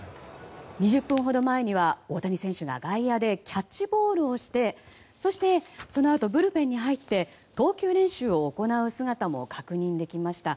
２０分ほど前には大谷選手が外野でキャッチボールをしてそして、そのあとブルペンに入って投球練習を行う姿も確認できました。